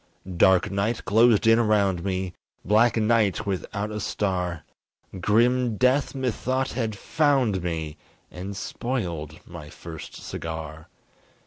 Dark night closed in around me Black night, without a star Grim death methought had found me And spoiled my first cigar.